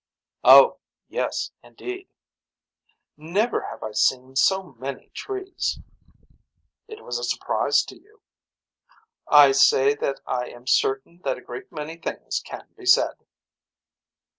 Oh yes indeed. Never have I seen so many trees. It was a surprise to you. I say that I am certain that a great many things can be said.